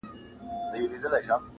او ورپسې د ژمي سوړ موسم -